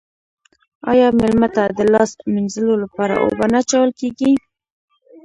آیا میلمه ته د لاس مینځلو لپاره اوبه نه اچول کیږي؟